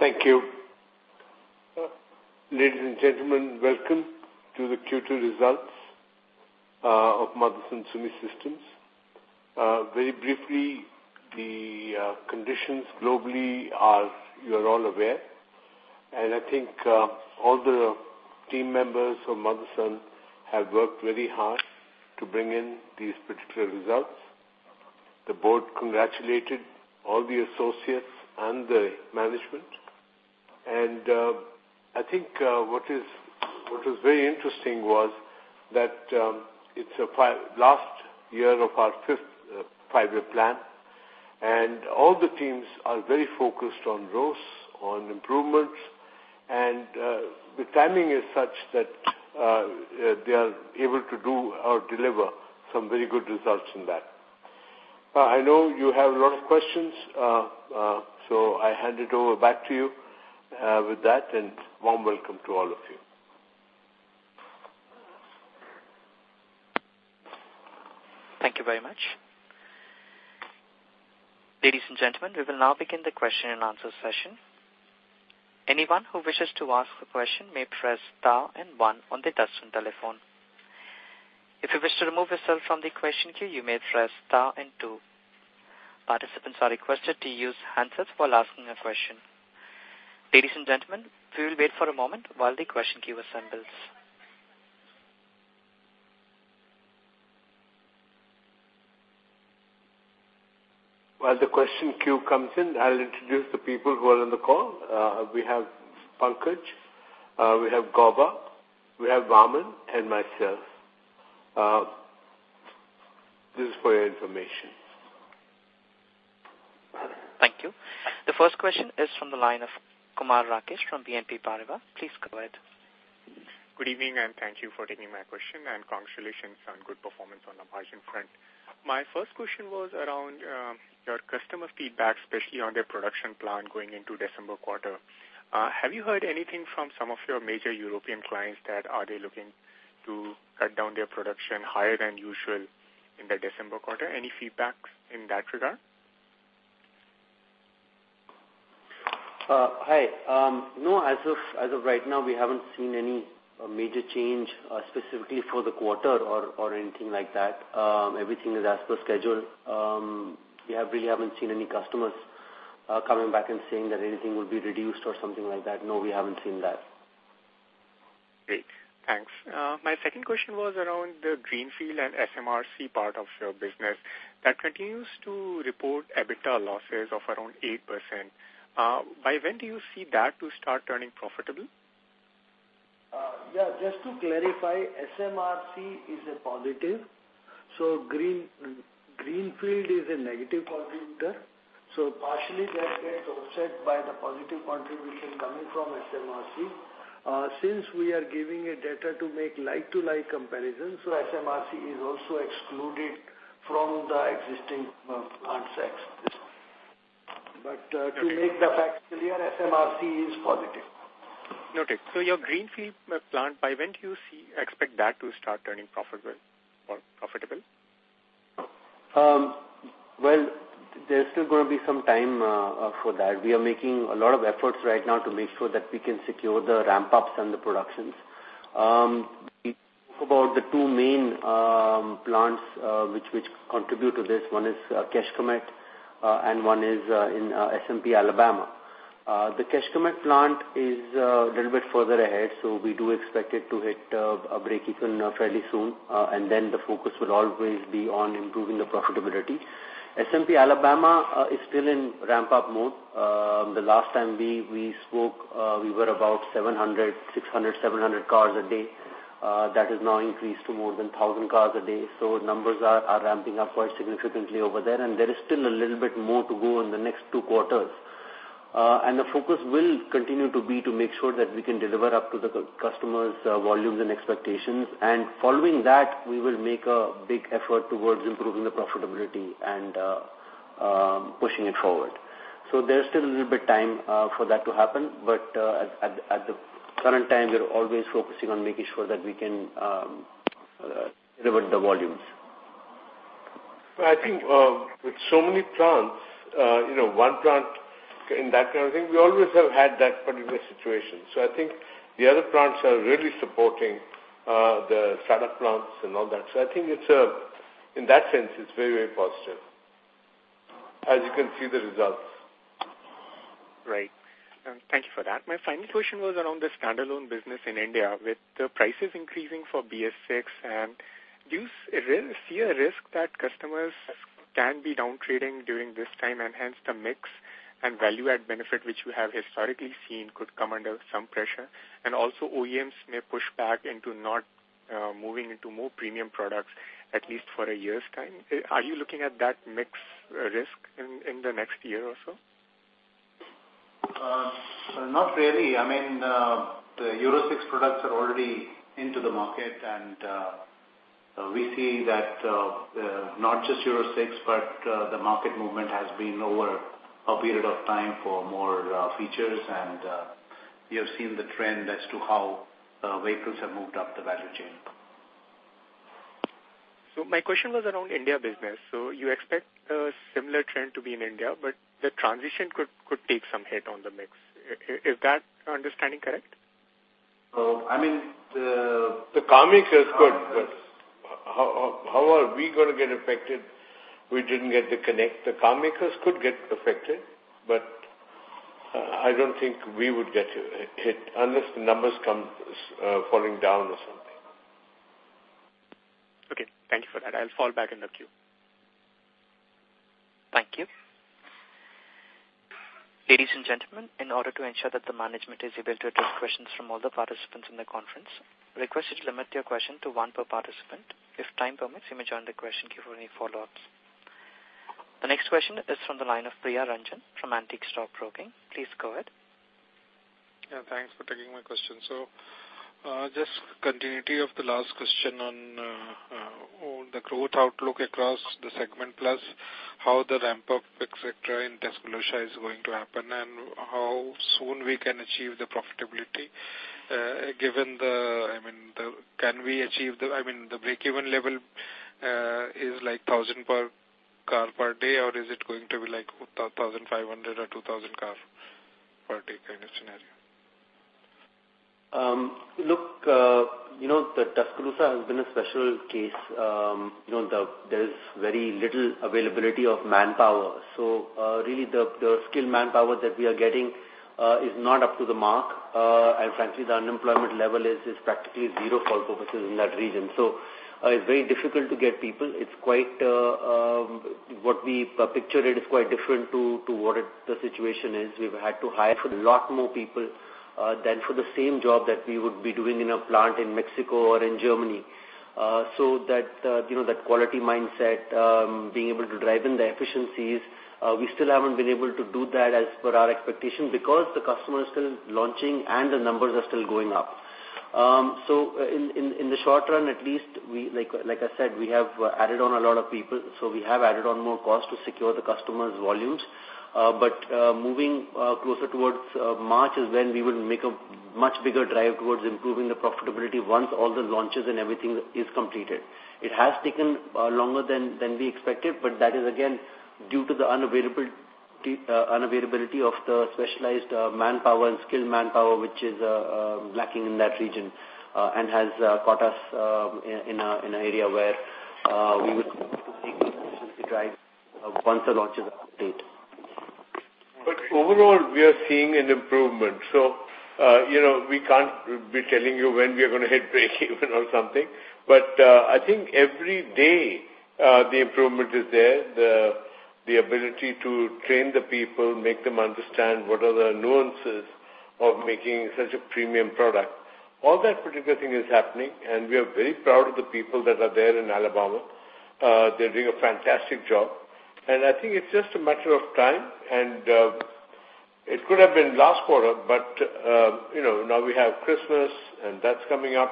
Thank you. Ladies and gentlemen, welcome to the Q2 results of Motherson Sumi Systems. Very briefly, the conditions globally are, you are all aware. I think all the team members of Motherson have worked very hard to bring in these particular results. The board congratulated all the associates and the management. I think what was very interesting was that it's the last year of our fifth five-year plan. All the teams are very focused on growth, on improvements. The timing is such that they are able to do or deliver some very good results in that. I know you have a lot of questions, so I hand it over back to you with that. Warm welcome to all of you. Thank you very much. Ladies and gentlemen, we will now begin the question and answer session. Anyone who wishes to ask a question may press star and one on the touchscreen telephone. If you wish to remove yourself from the question queue, you may press star and two. Participants are requested to use handsets while asking a question. Ladies and gentlemen, we will wait for a moment while the question queue assembles. While the question queue comes in, I'll introduce the people who are on the call. We have Pankaj, we have Gauba, we have Mahender, and myself. This is for your information. Thank you. The first question is from the line of Kumar Rakesh from BNP Paribas. Please go ahead. Good evening, and thank you for taking my question. And congratulations on good performance on the margin front. My first question was around your customer feedback, especially on their production plan going into December quarter. Have you heard anything from some of your major European clients that are they looking to cut down their production higher than usual in the December quarter? Any feedback in that regard? Hi. No, as of right now, we haven't seen any major change specifically for the quarter or anything like that. Everything is as per schedule. We really haven't seen any customers coming back and saying that anything will be reduced or something like that. No, we haven't seen that. Great. Thanks. My second question was around the greenfield and SMRC part of your business. That continues to report EBITDA losses of around 8%. By when do you see that to start turning profitable? Yeah. Just to clarify, SMRC is a positive. So greenfield is a negative contributor. So partially, that gets offset by the positive contribution coming from SMRC. Since we are giving it data to make like-for-like comparisons, so SMRC is also excluded from the existing plants. But to make the facts clear, SMRC is positive. Noted. So your greenfield plant, by when do you expect that to start turning profitable? There's still going to be some time for that. We are making a lot of efforts right now to make sure that we can secure the ramp-ups and the productions. We spoke about the two main plants which contribute to this. One is Kecskemét, and one is in SMP Alabama. The Kecskemét plant is a little bit further ahead, so we do expect it to hit a break-even fairly soon, and then the focus will always be on improving the profitability. SMP Alabama is still in ramp-up mode. The last time we spoke, we were about 700, 600, 700 cars a day. That has now increased to more than 1,000 cars a day, so numbers are ramping up quite significantly over there, and there is still a little bit more to go in the next two quarters. The focus will continue to be to make sure that we can deliver up to the customers' volumes and expectations. Following that, we will make a big effort towards improving the profitability and pushing it forward. There's still a little bit of time for that to happen. At the current time, we're always focusing on making sure that we can deliver the volumes. I think with so many plants, one plant in that kind of thing, we always have had that particular situation. So I think the other plants are really supporting the startup plants and all that. So I think in that sense, it's very, very positive. As you can see, the results. Right. Thank you for that. My final question was around the standalone business in India. With the prices increasing for BS6, do you see a risk that customers can be downtrading during this time? And hence, the mix and value-add benefit which you have historically seen could come under some pressure. And also, OEMs may push back into not moving into more premium products, at least for a year's time. Are you looking at that mix risk in the next year or so? Not really. I mean, the Euro 6 products are already into the market. And we see that not just Euro 6, but the market movement has been over a period of time for more features. And we have seen the trend as to how vehicles have moved up the value chain. So my question was around India business. So you expect a similar trend to be in India, but the transition could take some hit on the mix. Is that understanding correct? I mean, the car makers could. How are we going to get affected? We didn't get to connect. The car makers could get affected, but I don't think we would get hit, unless the numbers come falling down or something. Okay. Thank you for that. I'll fall back in the queue. Thank you. Ladies and gentlemen, in order to ensure that the management is able to address questions from all the participants in the conference, request you to limit your question to one per participant. If time permits, you may join the question queue for any follow-ups. The next question is from the line of Priya Ranjan from Antique Stock Broking. Please go ahead. Yeah. Thanks for taking my question. So just continuity of the last question on the growth outlook across the segment, plus how the ramp-up, etc., in Tuscaloosa is going to happen, and how soon we can achieve the profitability given the. I mean, can we achieve the. I mean, the break-even level is like 1,000 per car per day, or is it going to be like 1,500 or 2,000 car per day kind of scenario? Look, the Tuscaloosa has been a special case. There is very little availability of manpower. So really, the skilled manpower that we are getting is not up to the mark. And frankly, the unemployment level is practically zero for all purposes in that region. So it's very difficult to get people. What we pictured it is quite different to what the situation is. We've had to hire a lot more people than for the same job that we would be doing in a plant in Mexico or in Germany. So that quality mindset, being able to drive in the efficiencies, we still haven't been able to do that as per our expectation because the customer is still launching and the numbers are still going up. So in the short run, at least, like I said, we have added on a lot of people. So we have added on more cost to secure the customers' volumes. But moving closer towards March is when we will make a much bigger drive towards improving the profitability once all the launches and everything is completed. It has taken longer than we expected, but that is, again, due to the unavailability of the specialized manpower and skilled manpower, which is lacking in that region and has caught us in an area where we would need to make a decision to drive once the launches are complete. Overall, we are seeing an improvement. We can't be telling you when we are going to hit break-even or something. Every day, the improvement is there. The ability to train the people, make them understand what are the nuances of making such a premium product. All that particular thing is happening. We are very proud of the people that are there in Alabama. They're doing a fantastic job. It's just a matter of time. It could have been last quarter, but now we have Christmas, and that's coming up.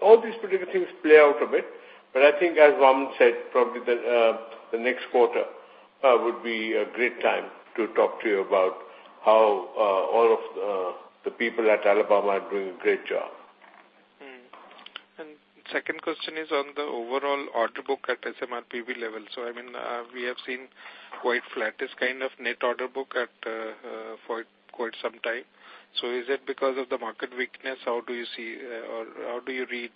All these particular things play out a bit. As Laksh said, probably the next quarter would be a great time to talk to you about how all of the people at Alabama are doing a great job. And second question is on the overall order book at SMRPBV level. So I mean, we have seen quite flat this kind of net order book for quite some time. So is it because of the market weakness? How do you see or how do you read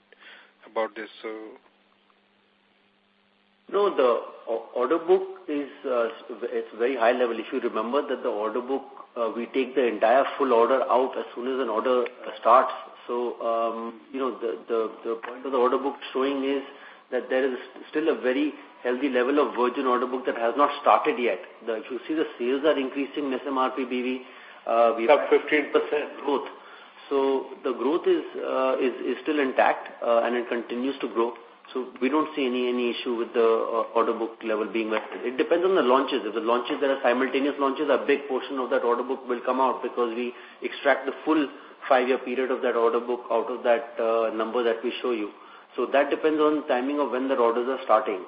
about this? No, the order book is very high level. If you remember that the order book, we take the entire full order out as soon as an order starts. So the point of the order book showing is that there is still a very healthy level of virgin order book that has not started yet. If you see the sales are increasing in SMRPBV, we. About 15%. Growth. So the growth is still intact, and it continues to grow. So we don't see any issue with the order book level being met. It depends on the launches. If the launches that are simultaneous launches, a big portion of that order book will come out because we extract the full five-year period of that order book out of that number that we show you. So that depends on timing of when the orders are starting.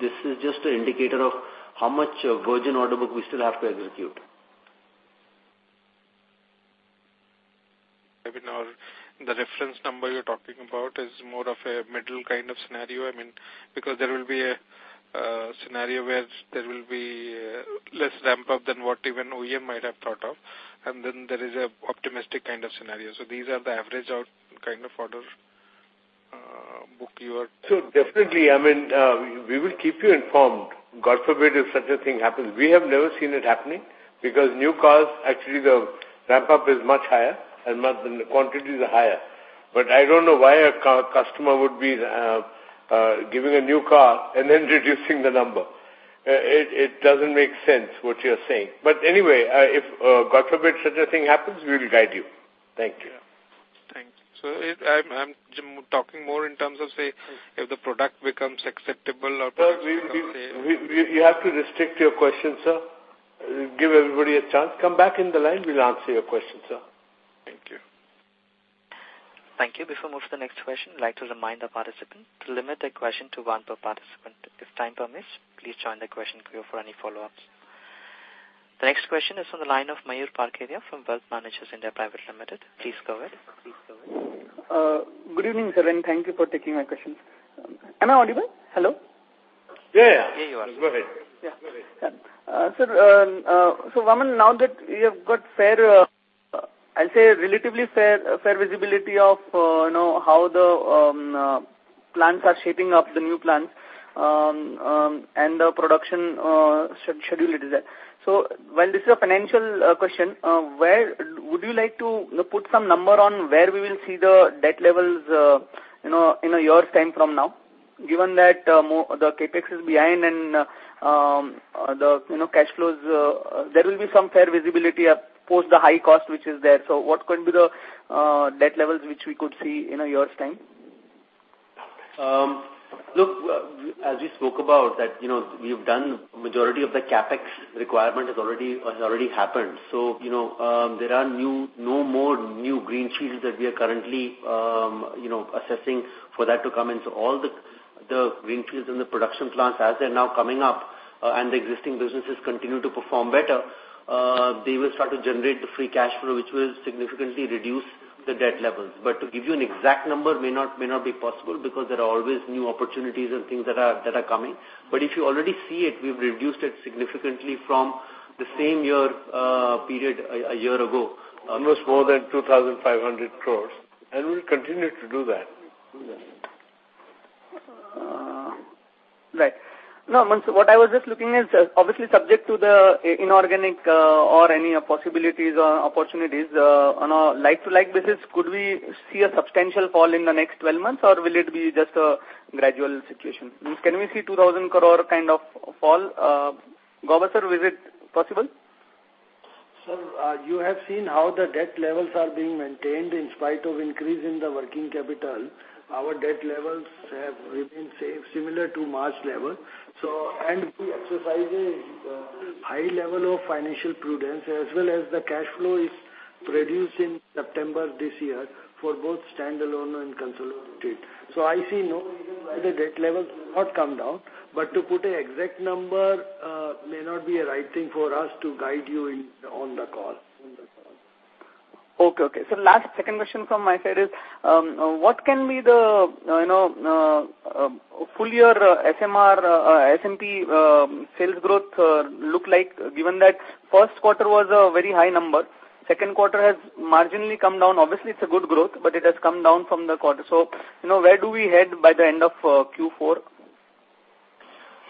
This is just an indicator of how much virgin order book we still have to execute. I mean, the reference number you're talking about is more of a middle kind of scenario. I mean, because there will be a scenario where there will be less ramp-up than what even OEM might have thought of. And then there is an optimistic kind of scenario. So these are the average kind of order book you are. So definitely, I mean, we will keep you informed. God forbid if such a thing happens. We have never seen it happening because new cars, actually, the ramp-up is much higher and the quantities are higher. But I don't know why a customer would be giving a new car and then reducing the number. It doesn't make sense what you're saying. But anyway, if God forbid such a thing happens, we will guide you. Thank you. Thanks. So I'm talking more in terms of, say, if the product becomes acceptable or. Well, you have to restrict your question, sir. Give everybody a chance. Come back in the line. We'll answer your question, sir. Thank you. Thank you. Before we move to the next question, I'd like to remind the participant to limit their question to one per participant. If time permits, please join the question queue for any follow-ups. The next question is from the line of Mahir Parkeria from Wealth Managers India Private Limited. Please go ahead. Good evening, sir. Thank you for taking my questions. Am I audible? Hello? Yeah. Yeah, you are. Go ahead. Yeah. So Rahman, now that you have got fair, I'd say relatively fair visibility of how the plants are shaping up, the new plants, and the production schedule, it is there. So while this is a financial question, would you like to put some number on where we will see the debt levels in a year's time from now? Given that the CapEx is behind and the cash flows, there will be some fair visibility post the high cost which is there. So what could be the debt levels which we could see in a year's time? Look, as we spoke about that, we've done the majority of the CapEx requirement has already happened. So there are no more new greenfields that we are currently assessing for that to come in. So all the greenfields and the production plants, as they're now coming up and the existing businesses continue to perform better, they will start to generate the free cash flow, which will significantly reduce the debt levels. But to give you an exact number may not be possible because there are always new opportunities and things that are coming. But if you already see it, we've reduced it significantly from the same year period a year ago. It was more than 2,500 crores. And we'll continue to do that. Right. No, what I was just looking is, obviously, subject to the inorganic or any possibilities or opportunities, on a like-for-like basis, could we see a substantial fall in the next 12 months, or will it be just a gradual situation? Can we see 2,000 crore kind of fall? Gauba, sir, was it possible? Sir, you have seen how the debt levels are being maintained in spite of increase in the working capital. Our debt levels have remained similar to March level, and we exercise a high level of financial prudence, as well as the cash flow is produced in September this year for both standalone and consolidated, so I see no reason why the debt levels have not come down, but to put an exact number may not be a right thing for us to guide you on the call. Okay. So last second question from my side is, what can be the full year SMR SMP sales growth look like given that first quarter was a very high number, second quarter has marginally come down. Obviously, it's a good growth, but it has come down from the quarter. So where do we head by the end of Q4?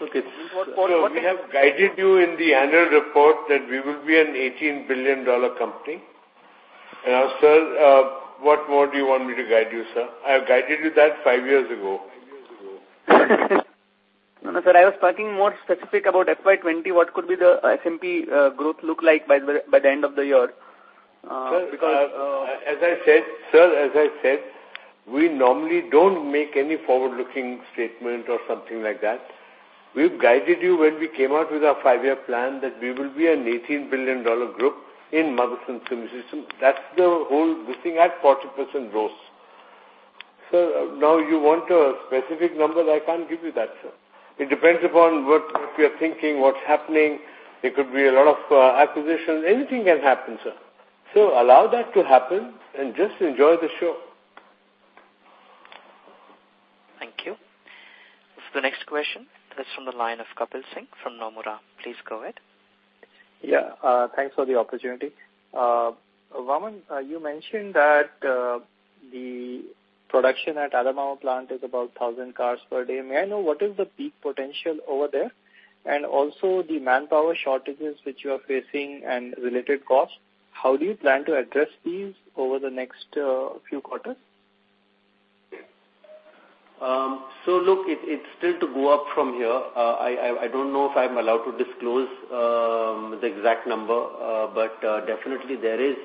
Look, we have guided you in the annual report that we will be an $18 billion company. Now, sir, what more do you want me to guide you, sir? I have guided you that five years ago. No, no, sir. I was talking more specific about FY 20. What could be the SMP growth look like by the end of the year? Sir, as I said, sir, as I said, we normally don't make any forward-looking statement or something like that. We've guided you when we came out with our five-year plan that we will be an $18 billion group in Motherson Sumi Systems. That's the whole good thing at 40% growth. So now you want a specific number? I can't give you that, sir. It depends upon what you're thinking, what's happening. There could be a lot of acquisitions. Anything can happen, sir. So allow that to happen and just enjoy the show. Thank you. The next question is from the line of Kapil Singh from Nomura. Please go ahead. Yeah. Thanks for the opportunity. Rahman, you mentioned that the production at Alabama plant is about 1,000 cars per day. May I know what is the peak potential over there? And also the manpower shortages which you are facing and related costs, how do you plan to address these over the next few quarters? So look, it's still to go up from here. I don't know if I'm allowed to disclose the exact number, but definitely, there is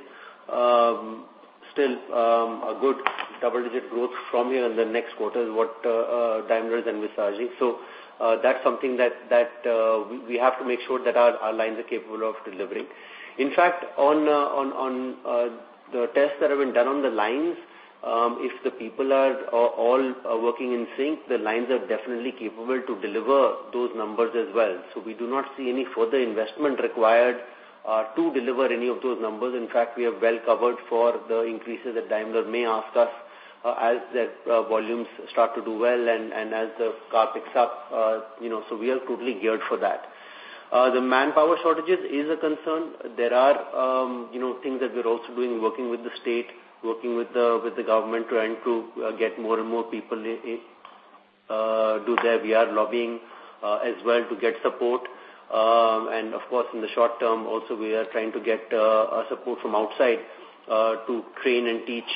still a good double-digit growth from here in the next quarters with Daimler and Yachiyo. So that's something that we have to make sure that our lines are capable of delivering. In fact, on the tests that have been done on the lines, if the people are all working in sync, the lines are definitely capable to deliver those numbers as well. So we do not see any further investment required to deliver any of those numbers. In fact, we have well covered for the increases that Daimler may ask us as their volumes start to do well and as the car picks up. So we are totally geared for that. The manpower shortages is a concern. There are things that we're also doing, working with the state, working with the government to get more and more people do their VR lobbying as well to get support, and of course, in the short term, also, we are trying to get support from outside to train and teach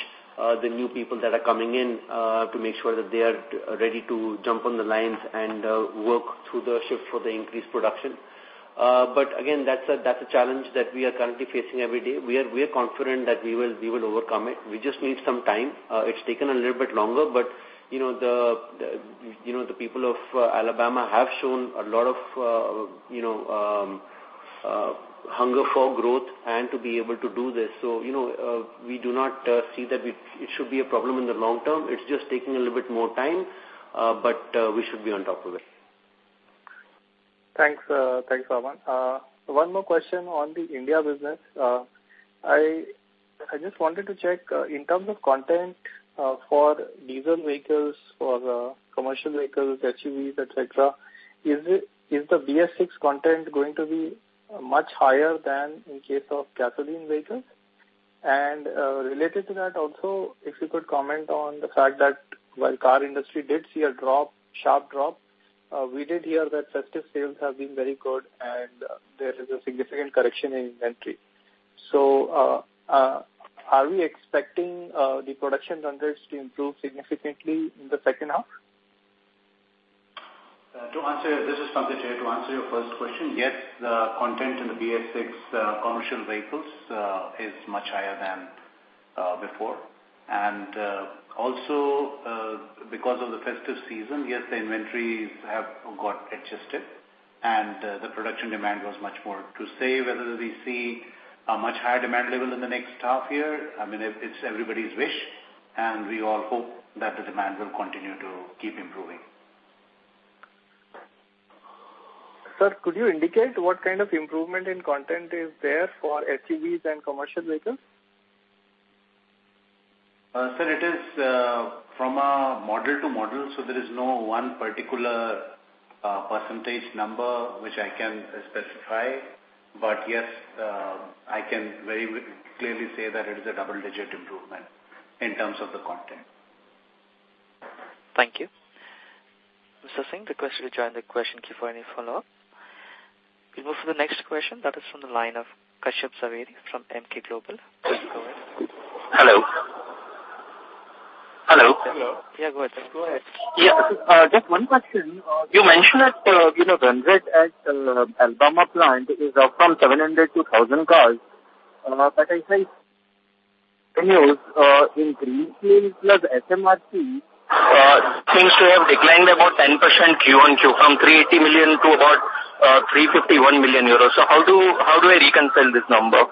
the new people that are coming in to make sure that they are ready to jump on the lines and work through the shift for the increased production, but again, that's a challenge that we are currently facing every day. We are confident that we will overcome it. We just need some time. It's taken a little bit longer, but the people of Alabama have shown a lot of hunger for growth and to be able to do this, so we do not see that it should be a problem in the long term. It's just taking a little bit more time, but we should be on top of it. Thanks, Laksh. One more question on the India business. I just wanted to check in terms of content for diesel vehicles, for commercial vehicles, SUVs, etc. Is the BS6 content going to be much higher than in case of gasoline vehicles? Related to that also, if you could comment on the fact that while the car industry did see a sharp drop, we did hear that festive sales have been very good, and there is a significant correction in inventory. Are we expecting the production numbers to improve significantly in the second half? This is something to answer your first question. Yes, the content in the BS6 commercial vehicles is much higher than before, and also, because of the festive season, yes, the inventories have got adjusted, and the production demand was much more. To say whether we see a much higher demand level in the next half year, I mean, it's everybody's wish, and we all hope that the demand will continue to keep improving. Sir, could you indicate what kind of improvement in content is there for SUVs and commercial vehicles? Sir, it is from model to model. So there is no one particular percentage number which I can specify. But yes, I can very clearly say that it is a double-digit improvement in terms of the content. Thank you. Mr. Singh, the questioner joined the question queue for any follow-up. We'll move to the next question. That is from the line of Kashyap Zaveri from MK Global. Please go ahead. Hello. Hello. Hello. Yeah, go ahead. Yeah, just one question. You mentioned that volume at Alabama plant is up from 700 to 1,000 cars. But I heard the news in Greece plus SMRC seems to have declined about 10% Q1Q from 380 million to about 351 million euros. So how do I reconcile this number?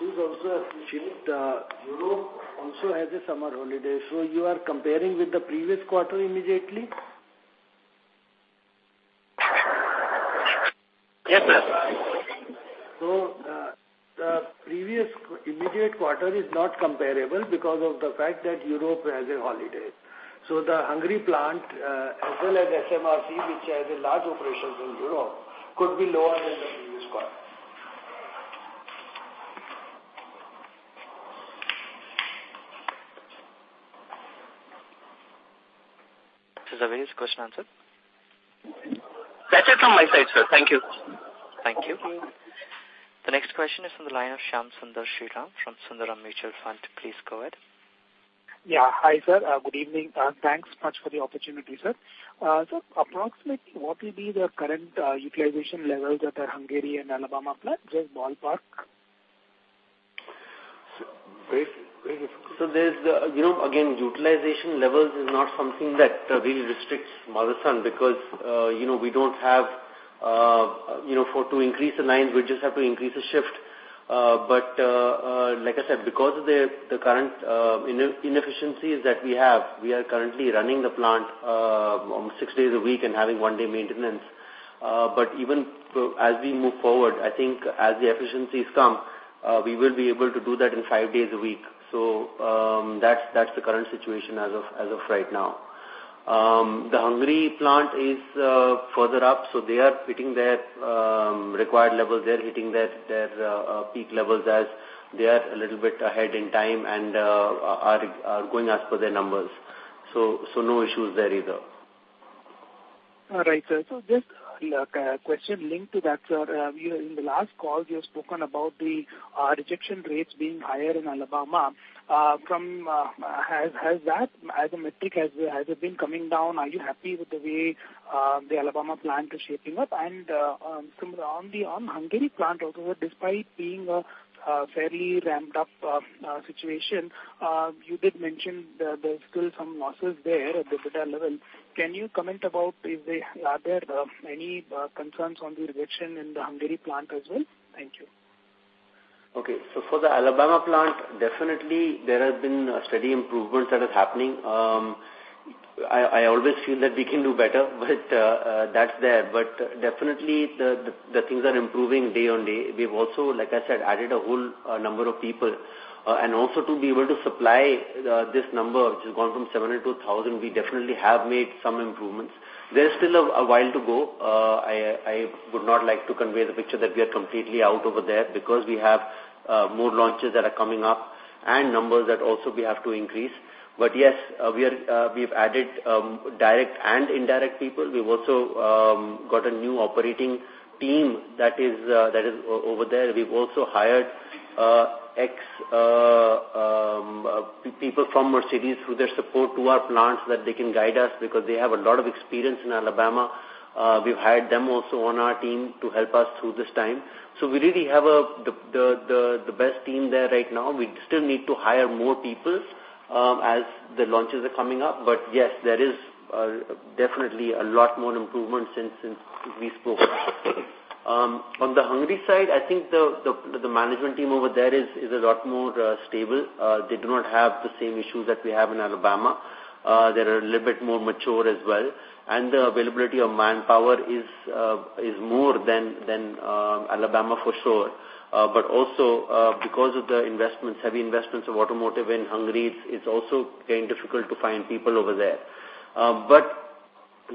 Please also mention that Europe also has a summer holiday. So you are comparing with the previous quarter immediately? Yes, sir. So the previous immediate quarter is not comparable because of the fact that Europe has a holiday. So the Hungary plant, as well as SMRC, which has large operations in Europe, could be lower than the previous quarter. Mr. Zaveri, is the question answered? That's it from my side, sir. Thank you. Thank you. The next question is from the line of Shyam Sundar Sriram from Sundaram Mutual Fund. Please go ahead. Yeah. Hi, sir. Good evening. Thanks much for the opportunity, sir. Sir, approximately what would be the current utilization levels at the Hungary and Alabama plant? Just ballpark. So, there's the again, utilization levels is not something that really restricts Motherson because we don't have to increase the lines, we just have to increase the shift. But like I said, because of the current inefficiencies that we have, we are currently running the plant six days a week and having one-day maintenance. But even as we move forward, I think as the efficiencies come, we will be able to do that in five days a week. So that's the current situation as of right now. The Hungary plant is further up, so they are hitting their required levels. They're hitting their peak levels as they are a little bit ahead in time and are going as per their numbers. So no issues there either. All right, sir. So just a question linked to that, sir. In the last call, you spoke about the rejection rates being higher in Alabama. Has that as a metric, has it been coming down? Are you happy with the way the Alabama plant is shaping up? And on the Hungary plant also, despite being a fairly ramped-up situation, you did mention there's still some losses there at the data level. Can you comment about if there are any concerns on the rejection in the Hungary plant as well? Thank you. Okay. So for the Alabama plant, definitely, there have been steady improvements that are happening. I always feel that we can do better, but that's there. But definitely, the things are improving day on day. We've also, like I said, added a whole number of people. And also to be able to supply this number, which has gone from 700 to 1,000, we definitely have made some improvements. There's still a while to go. I would not like to convey the picture that we are completely out over there because we have more launches that are coming up and numbers that also we have to increase. But yes, we've added direct and indirect people. We've also got a new operating team that is over there. We've also hired people from Mercedes through their support to our plants that they can guide us because they have a lot of experience in Alabama. We've hired them also on our team to help us through this time. So we really have the best team there right now. We still need to hire more people as the launches are coming up. But yes, there is definitely a lot more improvement since we spoke. On the Hungary side, I think the management team over there is a lot more stable. They do not have the same issues that we have in Alabama. They're a little bit more mature as well. And the availability of manpower is more than Alabama for sure. But also, because of the heavy investments of automotive in Hungary, it's also getting difficult to find people over there. But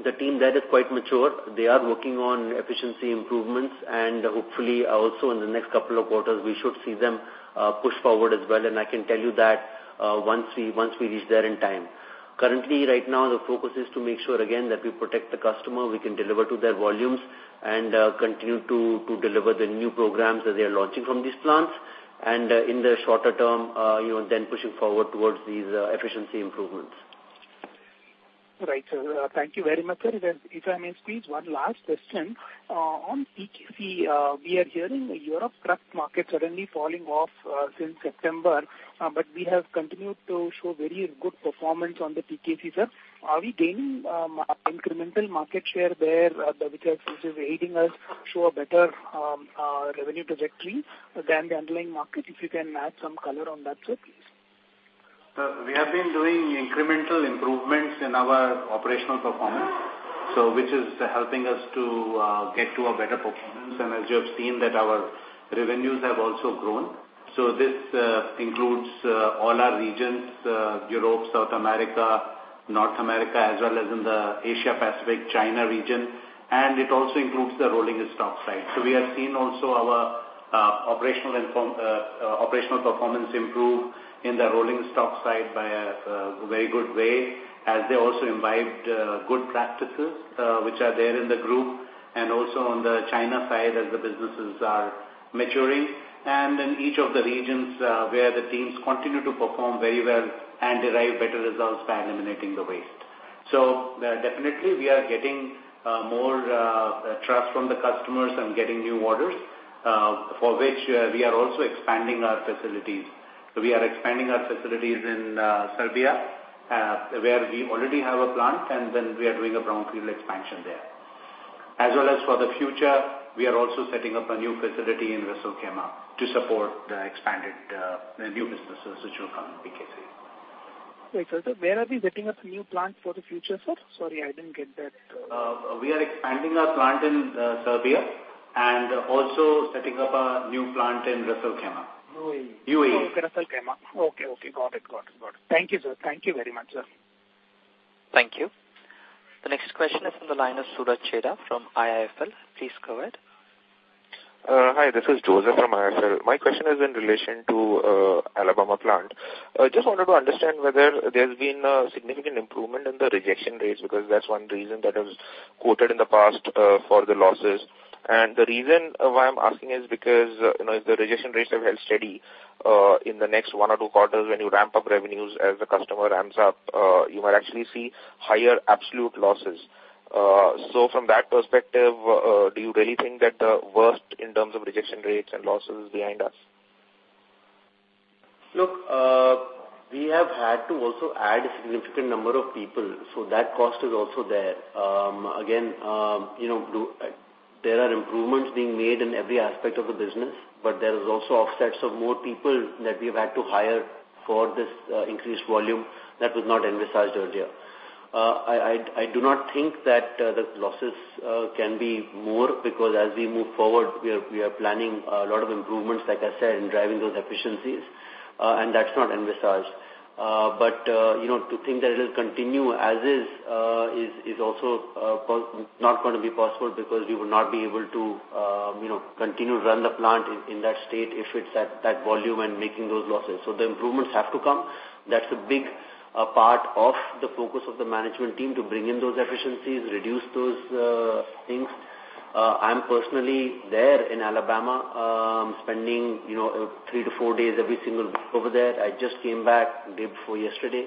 the team there is quite mature. They are working on efficiency improvements. And hopefully, also in the next couple of quarters, we should see them push forward as well. And I can tell you that once we reach there in time. Currently, right now, the focus is to make sure, again, that we protect the customer, we can deliver to their volumes, and continue to deliver the new programs that they are launching from these plants. And in the shorter term, then pushing forward towards these efficiency improvements. Right. Thank you very much, sir. If I may squeeze one last question. On PKC, we are hearing Europe's truck market suddenly falling off since September, but we have continued to show very good performance on the PKC, sir. Are we gaining incremental market share there which is aiding us to show a better revenue trajectory than the underlying market? If you can add some color on that, sir, please. We have been doing incremental improvements in our operational performance, which is helping us to get to a better performance. And as you have seen, our revenues have also grown. So this includes all our regions, Europe, South America, North America, as well as in the Asia-Pacific, China region. And it also includes the rolling stock side. So we have seen also our operational performance improve in the rolling stock side by a very good way as they also imbibed good practices which are there in the group. And also on the China side as the businesses are maturing. And in each of the regions where the teams continue to perform very well and derive better results by eliminating the waste. So definitely, we are getting more trust from the customers and getting new orders for which we are also expanding our facilities. We are expanding our facilities in Serbia where we already have a plant, and then we are doing a brownfield expansion there. As well as for the future, we are also setting up a new facility in Ras Al Khaimah to support the expanded new businesses which will come in PKC. Right. Sir, where are they setting up new plants for the future, sir? Sorry, I didn't get that. We are expanding our plant in Serbia and also setting up a new plant in Ras Al Khaimah. UAE. UAE. Khaimah. Okay. Okay. Got it. Got it. Got it. Thank you, sir. Thank you very much, sir. Thank you. The next question is from the line of Suraj Cheda from IIFL. Please go ahead. Hi. This is Joseph from IIFL. My question is in relation to Alabama plant. I just wanted to understand whether there's been a significant improvement in the rejection rates because that's one reason that I was quoted in the past for the losses. And the reason why I'm asking is because if the rejection rates have held steady in the next one or two quarters when you ramp up revenues as the customer ramps up, you might actually see higher absolute losses. So from that perspective, do you really think that the worst in terms of rejection rates and losses is behind us? Look, we have had to also add a significant number of people. So that cost is also there. Again, there are improvements being made in every aspect of the business, but there are also offsets of more people that we have had to hire for this increased volume that was not envisaged earlier. I do not think that the losses can be more because as we move forward, we are planning a lot of improvements, like I said, in driving those efficiencies, and that's not envisaged. But to think that it will continue as is is also not going to be possible because we would not be able to continue to run the plant in that state if it's at that volume and making those losses. So the improvements have to come. That's a big part of the focus of the management team to bring in those efficiencies, reduce those things. I'm personally there in Alabama spending three to four days every single week over there. I just came back, did before yesterday,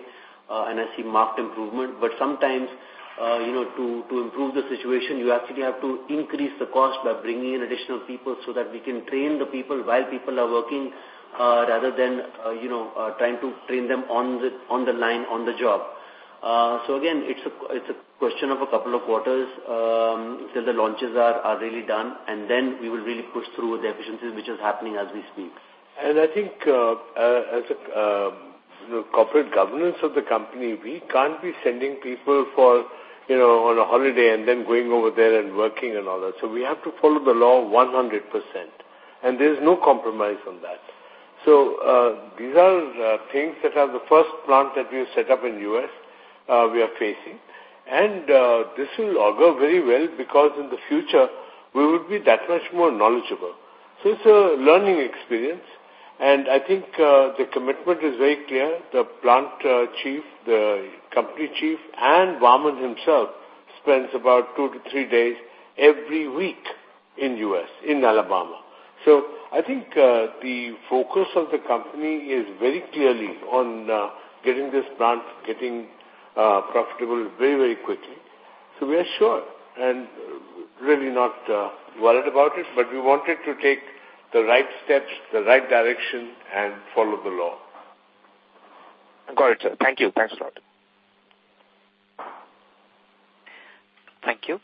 and I see marked improvement. But sometimes, to improve the situation, you actually have to increase the cost by bringing in additional people so that we can train the people while people are working rather than trying to train them on the line, on the job. So again, it's a question of a couple of quarters till the launches are really done, and then we will really push through with the efficiencies which are happening as we speak. I think as a corporate governance of the company, we can't be sending people on a holiday and then going over there and working and all that. So we have to follow the law 100%. And there's no compromise on that. So these are things that are the first plant that we have set up in the U.S. we are facing. And this will augur very well because in the future, we will be that much more knowledgeable. So it's a learning experience. And I think the commitment is very clear. The plant chief, the company chief, and Bauman himself spends about two to three days every week in the U.S., in Alabama. So I think the focus of the company is very clearly on getting this plant getting profitable very, very quickly. So we are sure and really not worried about it, but we wanted to take the right steps, the right direction, and follow the law. Got it, sir. Thank you. Thanks, Robert. Thank you.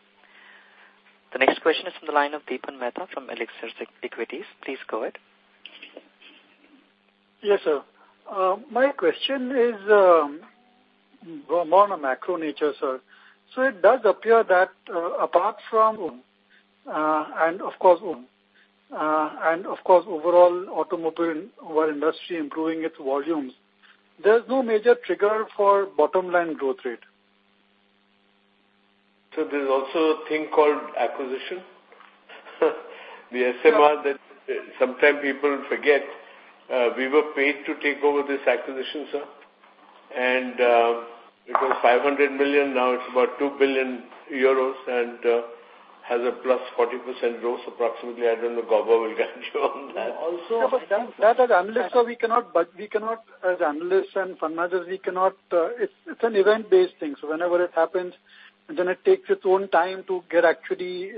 The next question is from the line of Deepan Mehta from Elixir Equities. Please go ahead. Yes, sir. My question is more of a macro nature, sir, so it does appear that apart from OEM and, of course, overall automobile industry improving its volumes, there's no major trigger for bottom-line growth rate. There's also a thing called acquisition. The SMR that sometimes people forget. We were paid to take over this acquisition, sir. And it was 500 million. Now it's about 2 billion euros and has a +40% growth approximately. I don't know. Gauba, we'll get you on that. Also, as analysts and fund managers, we cannot. It's an event-based thing. So whenever it happens, it takes its own time to actually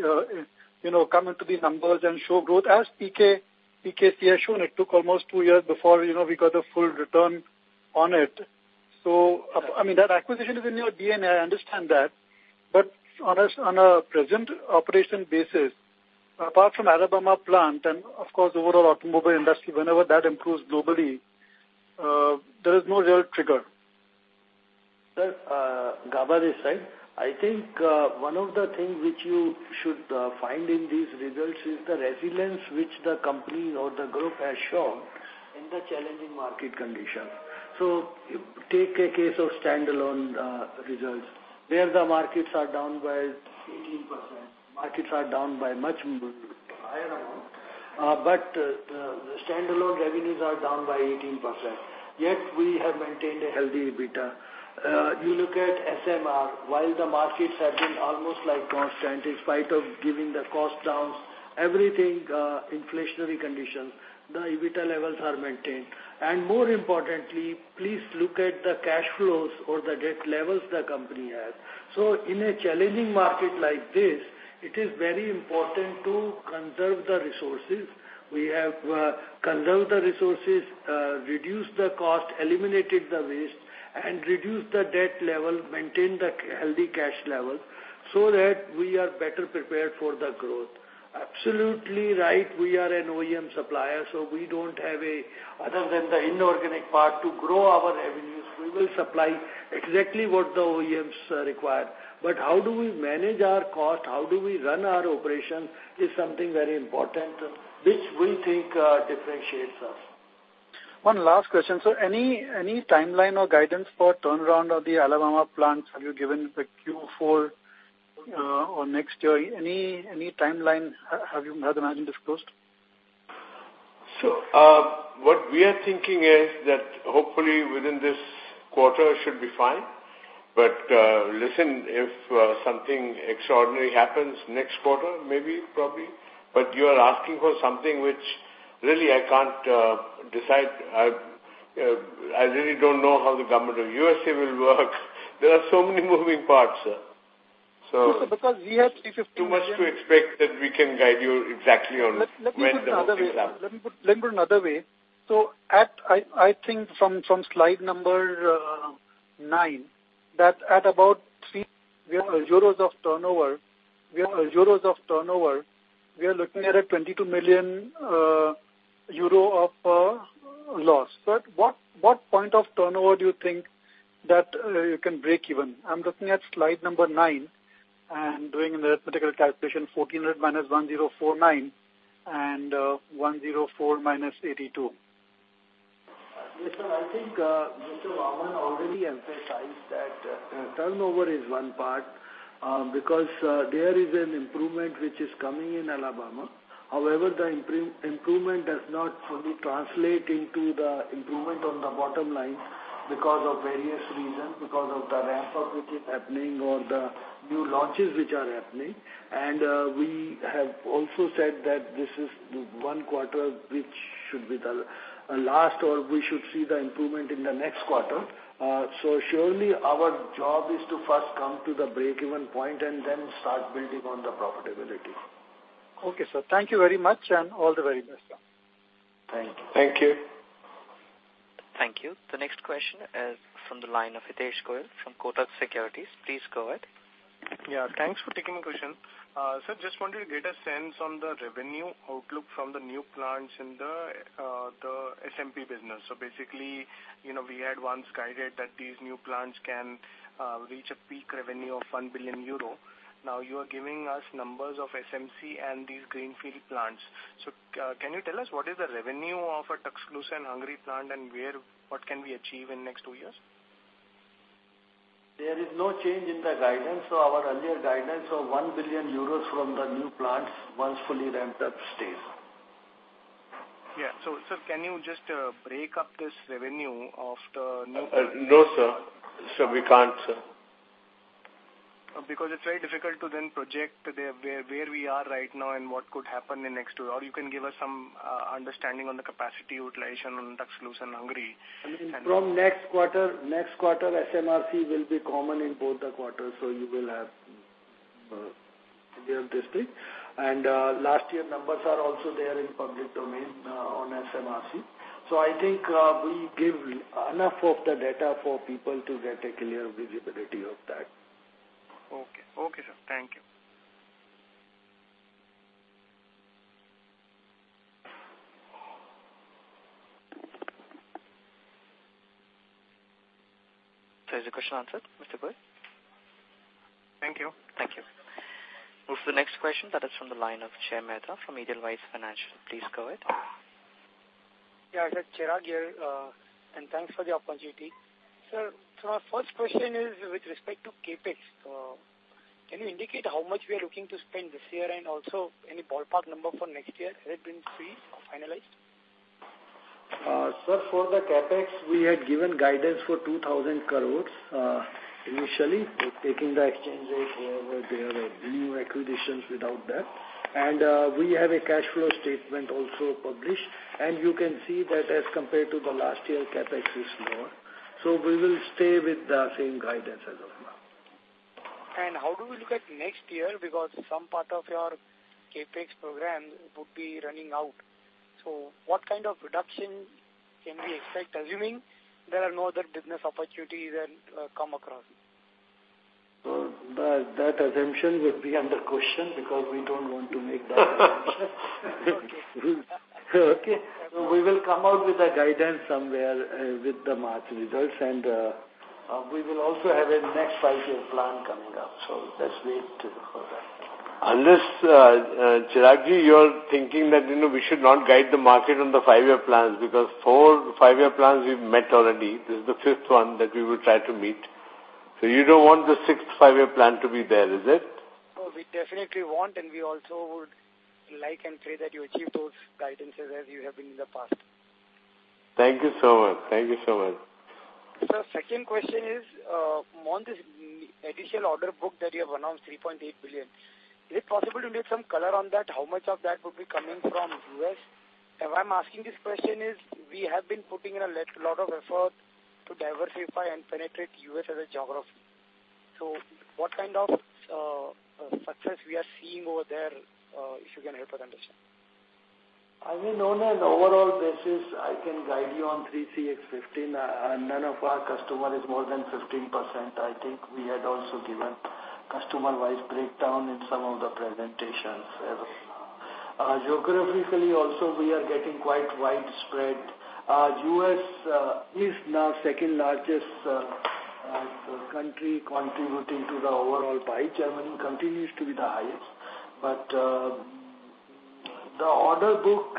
come into the numbers and show growth. As PKC has shown, it took almost two years before we got a full return on it. So I mean, that acquisition is in your DNA. I understand that. But on a present operation basis, apart from Alabama plant and, of course, overall automobile industry, whenever that improves globally, there is no real trigger. Sir, Gauba this side. I think one of the things which you should find in these results is the resilience which the company or the group has shown in the challenging market conditions, so take a case of standalone results. There, the markets are down by 18%. Markets are down by much higher amount, but the standalone revenues are down by 18%, yet we have maintained a healthy EBITDA. You look at SMR, while the markets have been almost constant in spite of giving the cost down, everything, inflationary conditions, the EBITDA levels are maintained, and more importantly, please look at the cash flows or the debt levels the company has, so in a challenging market like this, it is very important to conserve the resources. We have conserved the resources, reduced the cost, eliminated the waste, and reduced the debt level, maintained the healthy cash level so that we are better prepared for the growth. Absolutely right. We are an OEM supplier, so we don't have any other than the inorganic part to grow our revenues. We will supply exactly what the OEMs require. But how do we manage our cost? How do we run our operations is something very important which we think differentiates us. One last question. So any timeline or guidance for turnaround of the Alabama plants? Have you given the Q4 or next year? Any timeline have you had the management disclosed? So what we are thinking is that hopefully within this quarter should be fine. But listen, if something extraordinary happens next quarter, maybe, probably, but you are asking for something which really I can't decide. I really don't know how the government of USA will work. There are so many moving parts, sir. Because we have 350. Too much to expect that we can guide you exactly on when to expect. Let me put it another way. Let me put it another way. So I think from slide number nine that at about 3 euros of turnover, we are looking at a 22 million euro of loss. But what point of turnover do you think that you can break even? I'm looking at slide number nine and doing an arithmetical calculation, 1400 minus 1049 and 104 minus 82. Yes, sir. I think Mr. Vaaman already emphasized that turnover is one part because there is an improvement which is coming in Alabama. However, the improvement does not fully translate into the improvement on the bottom line because of various reasons, because of the ramp-up which is happening or the new launches which are happening, and we have also said that this is the one quarter which should be the last or we should see the improvement in the next quarter, so surely our job is to first come to the break-even point and then start building on the profitability. Okay, sir. Thank you very much and all the very best, sir. Thank you. Thank you. Thank you. The next question is from the line of Hitesh Goyal from Kotak Securities. Please go ahead. Yeah. Thanks for taking my question. Sir, just wanted to get a sense on the revenue outlook from the new plants in the SMP business. So basically, we had once guided that these new plants can reach a peak revenue of 1 billion euro. Now you are giving us numbers of SMP and these greenfield plants. So can you tell us what is the revenue of a Tuscaloosa Hungary plant and what can we achieve in the next two years? There is no change in the guidance. So our earlier guidance of 1 billion euros from the new plants once fully ramped up stays. Yeah. So sir, can you just break up this revenue of the new? No, sir. So we can't, sir. Because it's very difficult to then project where we are right now and what could happen in the next two years. Or you can give us some understanding on the capacity utilization on Tuscaloosa Hungary. I mean, from next quarter, SMRC will be common in both the quarters. So you will have clear distinct. And last year's numbers are also there in public domain on SMRC. So I think we give enough of the data for people to get a clear visibility of that. Okay. Okay, sir. Thank you. So is the question answered, Mr. Goyal? Thank you. Thank you. Move to the next question. That is from the line of Chirag Mehta from Edelweiss Financial. Please go ahead. Yeah. I said Chirag here. Thanks for the opportunity. Sir, so my first question is with respect to CapEx. Can you indicate how much we are looking to spend this year and also any ballpark number for next year? Has it been frozen or finalized? Sir, for the CapEx, we had given guidance for 2,000 crores initially, taking the exchange rate wherever there are new acquisitions without that. We have a cash flow statement also published. You can see that as compared to the last year, CapEx is lower. We will stay with the same guidance as of now. And how do we look at next year? Because some part of your CapEx program would be running out. So what kind of reduction can we expect assuming there are no other business opportunities that come across? That assumption would be under question because we don't want to make that assumption. Okay. So we will come out with a guidance somewhere with the March results. And we will also have a next five-year plan coming up. So let's wait for that. Unless, Chirag, you're thinking that we should not guide the market on the five-year plans because four five-year plans we've met already. This is the fifth one that we will try to meet. So you don't want the sixth five-year plan to be there, is it? We definitely want, and we also would like and pray that you achieve those guidances as you have been in the past. Thank you so much. Thank you so much. Sir, second question is on this additional order book that you have announced, 3.8 billion. Is it possible to get some color on that? How much of that would be coming from U.S.? If I'm asking this question is we have been putting in a lot of effort to diversify and penetrate U.S. as a geography. So what kind of success we are seeing over there if you can help us understand? I mean, on an overall basis, I can guide you on 3CX15. None of our customers is more than 15%. I think we had also given customer-wise breakdown in some of the presentations. Geographically, also, we are getting quite widespread. U.S. is now second-largest country contributing to the overall pie. Germany continues to be the highest. But the order book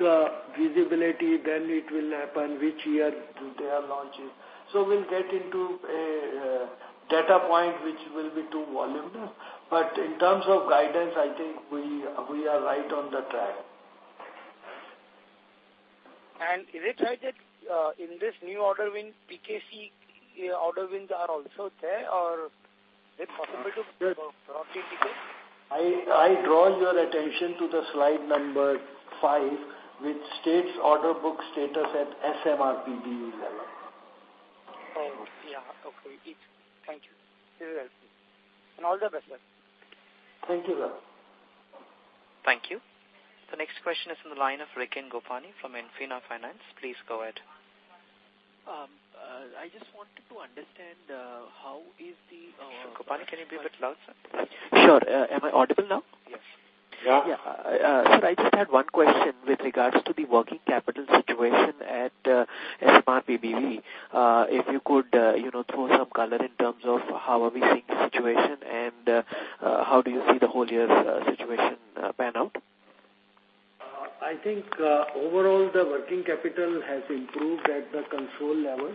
visibility, then it will happen which year they are launching. So we'll get into a data point which will be too voluminous. But in terms of guidance, I think we are right on the track. Is it right that in this new order win, PKC order wins are also there? Or is it possible to broadly indicate? I draw your attention to the slide number five which states order book status at SMRPBV level. Okay. Thank you. This is helpful, and all the best, sir. Thank you, sir. Thank you. The next question is from the line of Rikin Gopani from Infina Finance. Please go ahead. I just wanted to understand how is the. Sure. Gopani, can you be a bit louder, sir? Sure. Am I audible now? Yes. Yeah. Sir, I just had one question with regards to the working capital situation at SMRPBV. If you could throw some color in terms of how are we seeing the situation and how do you see the whole year's situation pan out? I think overall the working capital has improved at the consolidated level.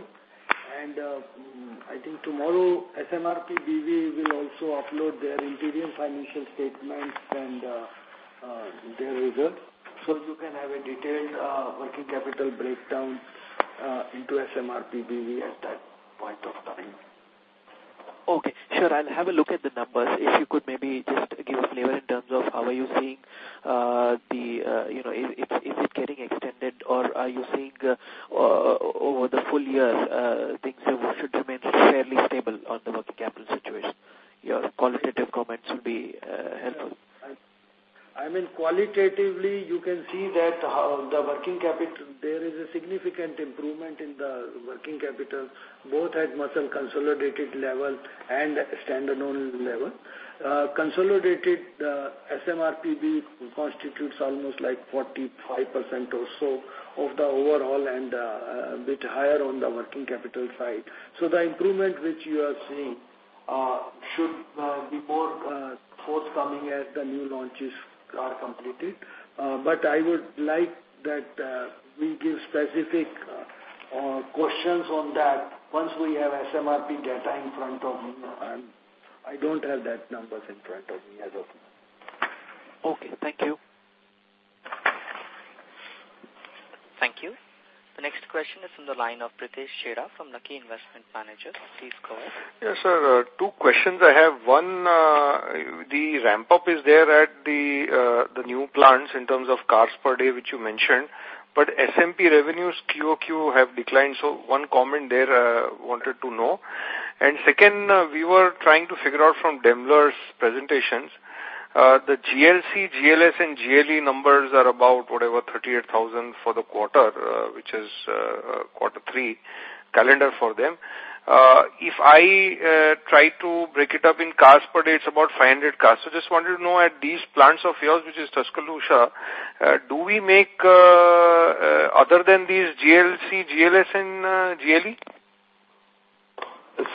I think tomorrow SMRPBV will also upload their interim financial statements and their results. You can have a detailed working capital breakdown into SMRPBV at that point of time. Okay. Sure. I'll have a look at the numbers. If you could maybe just give a flavor in terms of how are you seeing the is it getting extended or are you seeing over the full year things should remain fairly stable on the working capital situation? Your qualitative comments would be helpful. I mean, qualitatively, you can see that the working capital there is a significant improvement in the working capital, both at MSSL consolidated level and standalone level. Consolidated SMRPBV constitutes almost like 45% or so of the overall and a bit higher on the working capital side. So the improvement which you are seeing should be more forthcoming as the new launches are completed. But I would like that we give specific questions on that once we have SMRPBV data in front of me. I don't have those numbers in front of me as of now. Okay. Thank you. Thank you. The next question is from the line of Prateesh Chera from Lucky Investment Managers. Please go ahead. Yes, sir. Two questions I have. One, the ramp-up is there at the new plants in terms of cars per day which you mentioned. But SMP revenues QOQ have declined. So one comment there I wanted to know. And second, we were trying to figure out from Daimler's presentations, the GLC, GLS, and GLE numbers are about whatever, 38,000 for the quarter, which is quarter three calendar for them. If I try to break it up in cars per day, it's about 500 cars. So just wanted to know at these plants of yours which is Tuscaloosa, do we make other than these GLC, GLS, and GLE?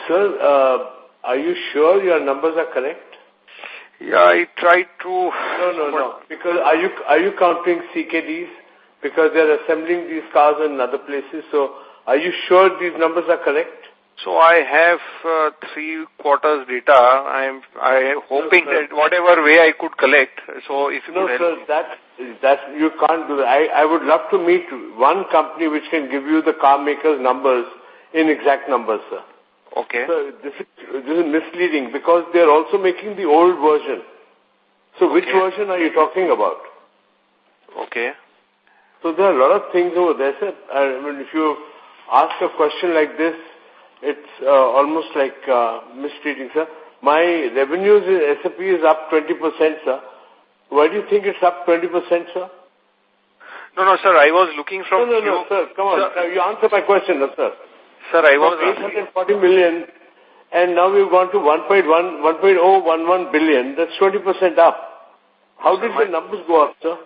Sir, are you sure your numbers are correct? Yeah. I tried to. No, no, no. Are you counting CKDs? Because they're assembling these cars in other places. So are you sure these numbers are correct? So I have three quarters data. I am hoping that whatever way I could collect. So if you can. No, sir. You can't do that. I would love to meet one company which can give you the car makers' numbers in exact numbers, sir. Okay. This is misleading because they're also making the old version. So which version are you talking about? Okay. So there are a lot of things over there, sir. I mean, if you ask a question like this, it's almost like mistreating, sir. My revenues in SMP is up 20%, sir. Why do you think it's up 20%, sir? No, no, sir. I was looking from. No, no, no, sir. Come on, sir. You answer my question, sir. Sir, I was. It was $840 million, and now we've gone to $1.011 billion. That's 20% up. How did the numbers go up, sir?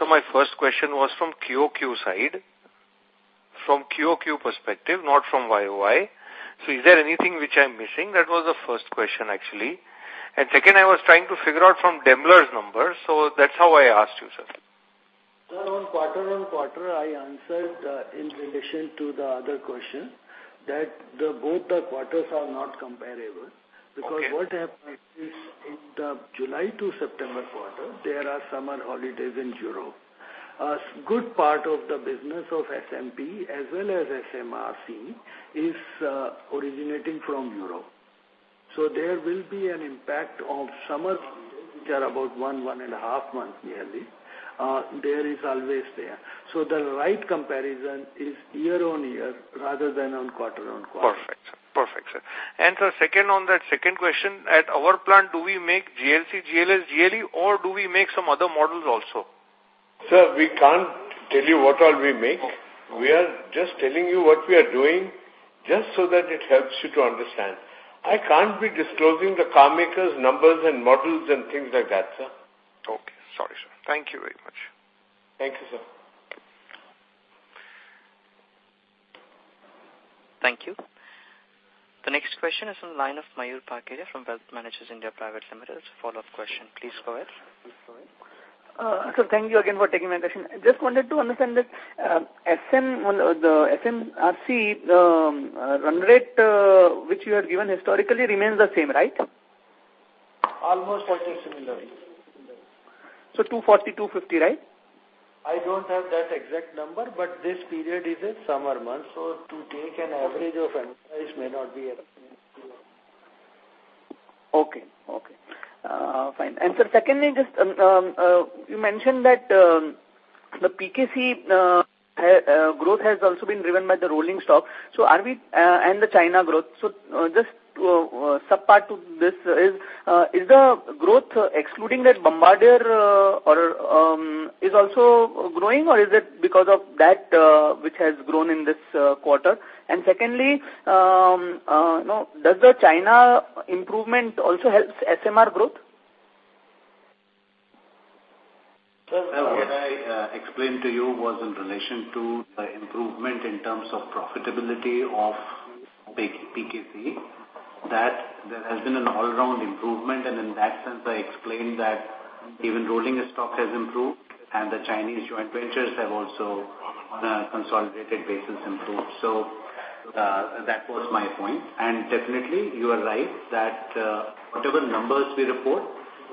So my first question was from QOQ side. From QOQ perspective, not from YOI. So is there anything which I'm missing? That was the first question, actually. And second, I was trying to figure out from Daimler's numbers. So that's how I asked you, sir. Sir, on quarter on quarter, I answered in relation to the other question that both the quarters are not comparable. Because what happens is in the July to September quarter, there are summer holidays in Europe. A good part of the business of SMP as well as SMRC is originating from Europe. So there will be an impact of summer holidays, which are about one, one and a half months nearly. There is always there. So the right comparison is year on year rather than on quarter on quarter. Perfect, sir. Perfect, sir. And sir, second on that second question, at our plant, do we make GLC, GLS, GLE, or do we make some other models also? Sir, we can't tell you what all we make. We are just telling you what we are doing just so that it helps you to understand. I can't be disclosing the car makers' numbers and models and things like that, sir. Okay. Sorry, sir. Thank you very much. Thank you, sir. Thank you. The next question is from the line of Mahir Parkeria from Wealth Managers India Private Limited. It's a follow-up question. Please go ahead. Please go ahead. Sir, thank you again for taking my question. I just wanted to understand that SMRC run rate which you had given historically remains the same, right? Almost quite similar. So 240, 250, right? I don't have that exact number, but this period is a summer month. So to take an average of enterprise may not be a reason to. Okay. Okay. Fine. And sir, secondly, just you mentioned that the PKC growth has also been driven by the rolling stock. So are we and the China growth? So just subpart to this is, is the growth excluding that Bombardier is also growing, or is it because of that which has grown in this quarter? And secondly, does the China improvement also help SMR growth? Sir, what I explained to you was in relation to the improvement in terms of profitability of PKC. That there has been an all-round improvement, and in that sense, I explained that even rolling stock has improved, and the Chinese joint ventures have also on a consolidated basis improved. So that was my point, and definitely, you are right that whatever numbers we report,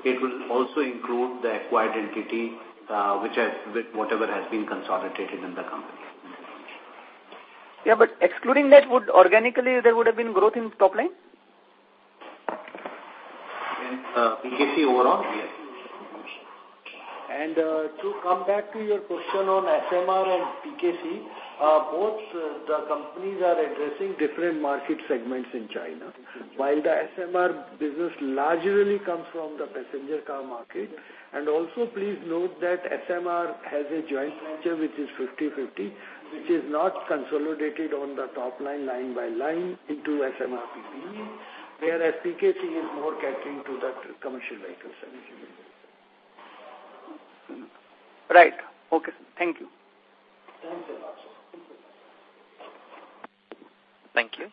it will also include the acquired entity which has whatever has been consolidated in the company. Yeah. But excluding that, would organically there have been growth in top line? In PKC overall? Yes. And to come back to your question on SMR and PKC, both the companies are addressing different market segments in China. While the SMR business largely comes from the passenger car market. And also, please note that SMR has a joint venture which is 50/50, which is not consolidated on the top line line by line into SMRPB, whereas PKC is more catering to the commercial vehicles. Right. Okay. Thank you. Thank you. Thank you.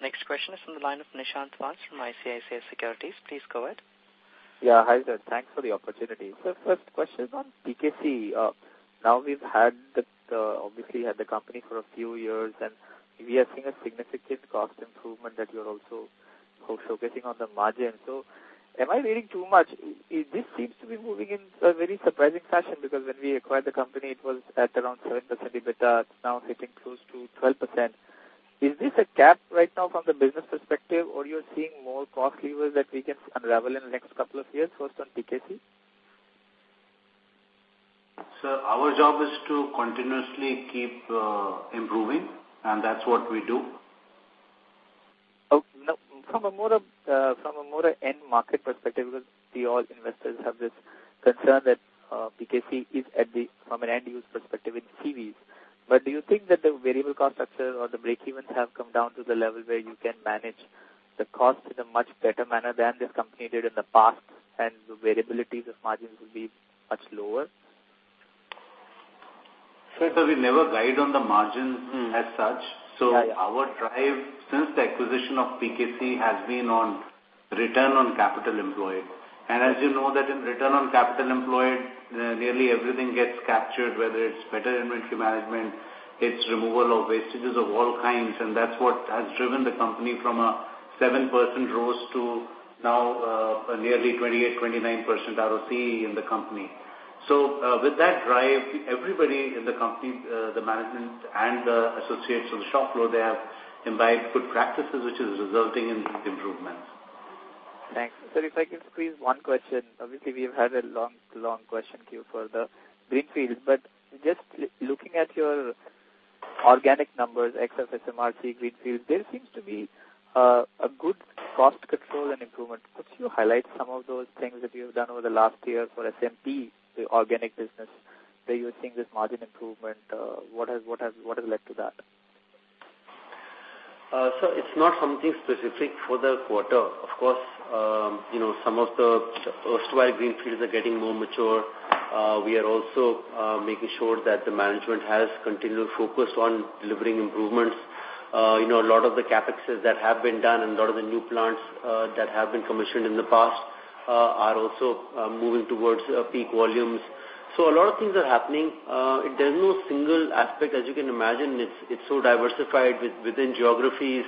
Next question is from the line of Nishant Vas from ICICI Securities. Please go ahead. Yeah. Hi, sir. Thanks for the opportunity. Sir, first question on PKC. Now we've had the company for a few years, and we are seeing a significant cost improvement that you're also showcasing on the margin. So am I reading too much? This seems to be moving in a very surprising fashion because when we acquired the company, it was at around 7% EBITDA. It's now hitting close to 12%. Is this a gap right now from the business perspective, or you're seeing more cost levers that we can unravel in the next couple of years? First on PKC? Sir, our job is to continuously keep improving, and that's what we do. Okay. From a more end market perspective, because we all investors have this concern that PKC is at the forefront from an end-use perspective in CVs. But do you think that the variable cost structure or the breakevens have come down to the level where you can manage the cost in a much better manner than this company did in the past, and the variability of margins will be much lower? Sir, we never guide on the margins as such. So our drive since the acquisition of PKC has been on return on capital employed. And as you know, that in return on capital employed, nearly everything gets captured, whether it's better inventory management, it's removal of wastages of all kinds. And that's what has driven the company from a 7% ROS to now nearly 28%-29% ROC in the company. So with that drive, everybody in the company, the management and the associates of the shop floor, they have embarked good practices, which is resulting in improvements. Thanks. Sir, if I can please one question. Obviously, we have had a long, long question queue for the greenfield. But just looking at your organic numbers, except SMRC greenfield, there seems to be a good cost control and improvement. Could you highlight some of those things that you have done over the last year for SMP, the organic business, where you're seeing this margin improvement? What has led to that? Sir, it's not something specific for the quarter. Of course, some of the erstwhile greenfields are getting more mature. We are also making sure that the management has continued focus on delivering improvements. A lot of the CapExes that have been done and a lot of the new plants that have been commissioned in the past are also moving towards peak volumes. So a lot of things are happening. There's no single aspect, as you can imagine. It's so diversified within geographies,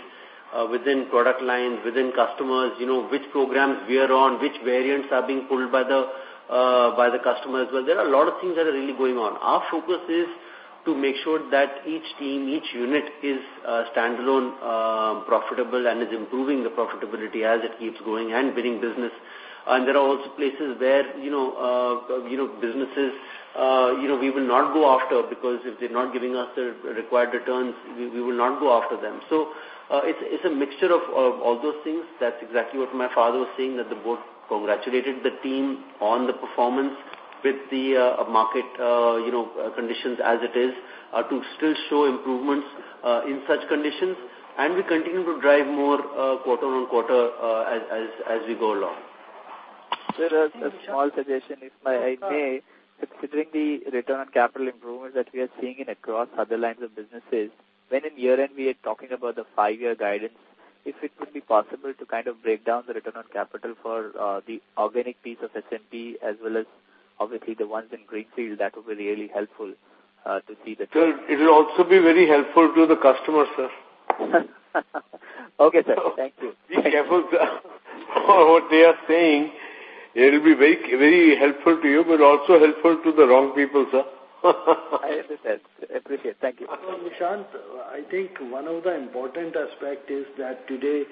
within product lines, within customers, which programs we are on, which variants are being pulled by the customers. But there are a lot of things that are really going on. Our focus is to make sure that each team, each unit is standalone, profitable, and is improving the profitability as it keeps going and winning business. And there are also places where businesses we will not go after because if they're not giving us the required returns, we will not go after them. So it's a mixture of all those things. That's exactly what my father was saying, that the board congratulated the team on the performance with the market conditions as it is, to still show improvements in such conditions. And we continue to drive more quarter on quarter as we go along. Sir, just a small suggestion, if I may. Considering the return on capital improvements that we are seeing across other lines of businesses, when in year-end we are talking about the five-year guidance, if it would be possible to kind of break down the return on capital for the organic piece of SMP as well as obviously the ones in greenfield, that would be really helpful to see the. Sir, it will also be very helpful to the customers, sir. Okay, sir. Thank you. Be careful, sir, for what they are saying. It will be very helpful to you, but also helpful to the wrong people, sir. I understand. I appreciate it. Thank you. Nishant, I think one of the important aspects is that today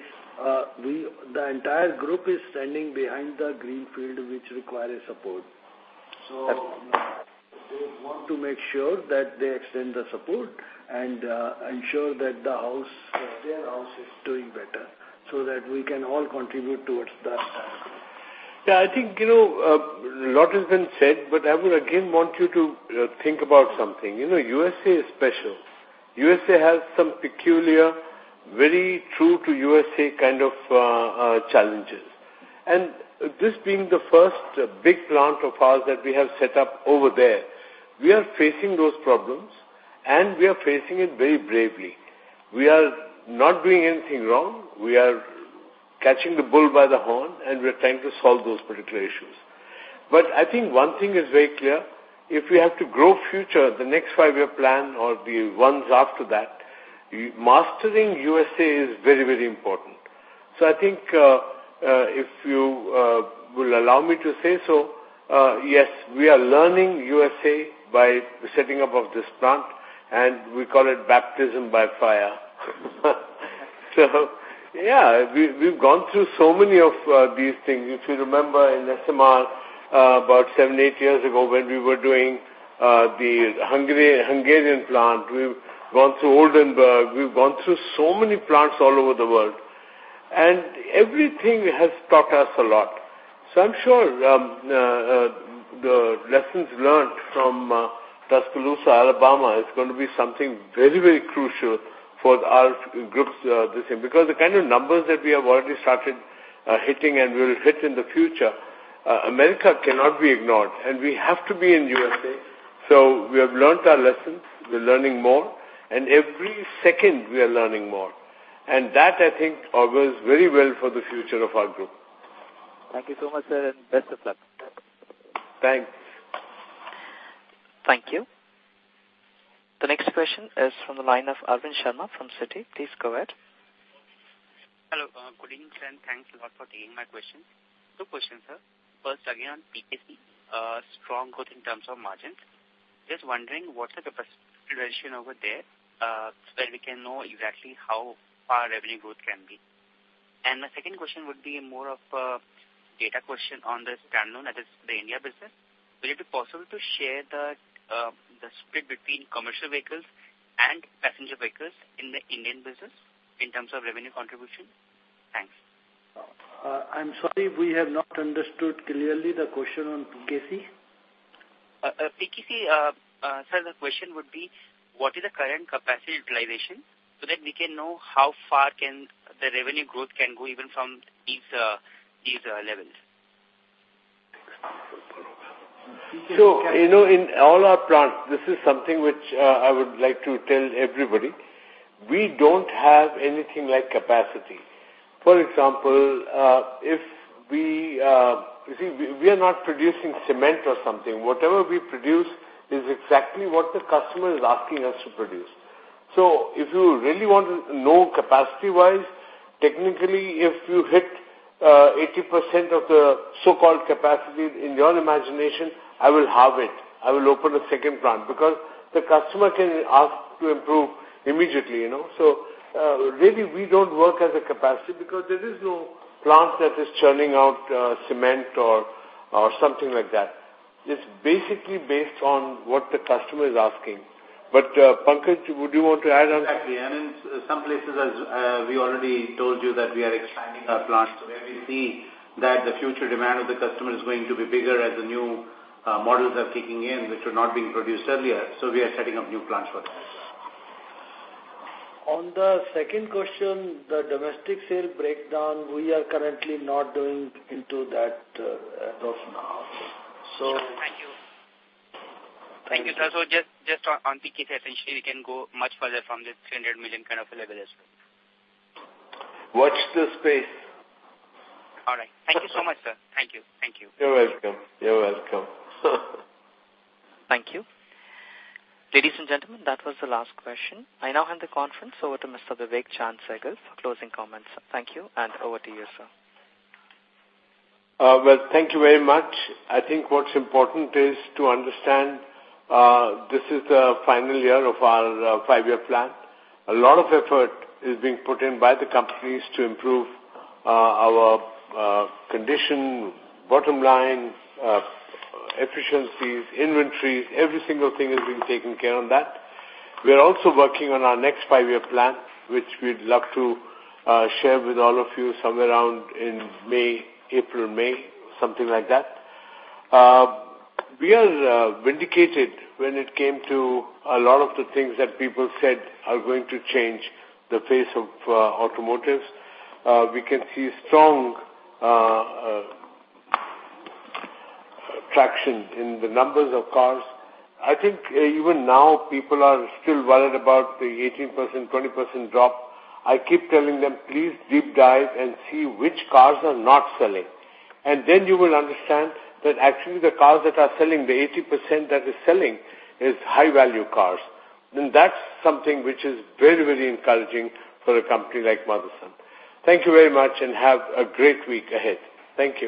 the entire group is standing behind the greenfield which requires support. So they want to make sure that they extend the support and ensure that the house, the SMR house, is doing better so that we can all contribute towards that. Yeah. I think a lot has been said, but I would again want you to think about something. USA is special. USA has some peculiar, very true to USA kind of challenges. And this being the first big plant of ours that we have set up over there, we are facing those problems, and we are facing it very bravely. We are not doing anything wrong. We are catching the bull by the horn, and we are trying to solve those particular issues. But I think one thing is very clear. If we have to grow future, the next five-year plan or the ones after that, mastering USA is very, very important. So I think if you will allow me to say so, yes, we are learning USA by setting up this plant, and we call it baptism by fire, so yeah, we've gone through so many of these things. If you remember in SMR about seven, eight years ago when we were doing the Hungarian plant, we've gone through Oldenburg. We've gone through so many plants all over the world, and everything has taught us a lot. So I'm sure the lessons learned from Tuscaloosa, Alabama, is going to be something very, very crucial for our groups this year. Because the kind of numbers that we have already started hitting and will hit in the future, America cannot be ignored, and we have to be in USA. So we have learned our lessons. We're learning more. And every second, we are learning more. And that, I think, augurs very well for the future of our group. Thank you so much, sir, and best of luck. Thanks. Thank you. The next question is from the line of Arvind Sharma from Citi. Please go ahead. Hello. Good evening, sir. And thanks a lot for taking my question. Two questions, sir. First, again on PKC, strong growth in terms of margins. Just wondering what's the capacity ratio over there where we can know exactly how far revenue growth can be. And my second question would be more of a data question on the standalone that is the India business. Will it be possible to share the split between commercial vehicles and passenger vehicles in the Indian business in terms of revenue contribution? Thanks. I'm sorry, we have not understood clearly the question on PKC. PKC, sir, the question would be, what is the current capacity utilization so that we can know how far the revenue growth can go even from these levels? So in all our plants, this is something which I would like to tell everybody. We don't have anything like capacity. For example, if we see we are not producing cement or something. Whatever we produce is exactly what the customer is asking us to produce. So if you really want to know capacity-wise, technically, if you hit 80% of the so-called capacity in your imagination, I will halve it. I will open a second plant because the customer can ask to improve immediately. So really, we don't work as a capacity because there is no plant that is churning out cement or something like that. It's basically based on what the customer is asking. But Pankaj, would you want to add on? Exactly. And in some places, as we already told you, that we are expanding our plants where we see that the future demand of the customer is going to be bigger as the new models are kicking in, which are not being produced earlier. So we are setting up new plants for that as well. On the second question, the domestic sales breakdown, we are currently not going into that as of now. So. Thank you. Thank you, sir. So just on PKC, essentially, we can go much further from the 300 million kind of level as well. Watch the space. All right. Thank you so much, sir. Thank you. Thank you. You're welcome. You're welcome. Thank you. Ladies and gentlemen, that was the last question. I now hand the conference over to Mr. Vivek Chaand Sehgal for closing comments. Thank you, and over to you, sir. Thank you very much. I think what's important is to understand this is the final year of our five-year plan. A lot of effort is being put in by the companies to improve our condition, bottom line, efficiencies, inventories. Every single thing is being taken care of on that. We are also working on our next five-year plan, which we'd love to share with all of you somewhere around in May, April, May, something like that. We are vindicated when it came to a lot of the things that people said are going to change the face of automotives. We can see strong traction in the numbers of cars. I think even now, people are still worried about the 18%, 20% drop. I keep telling them, "Please deep dive and see which cars are not selling." And then you will understand that actually the cars that are selling, the 80% that is selling is high-value cars. And that's something which is very, very encouraging for a company like Motherson. Thank you very much, and have a great week ahead. Thank you.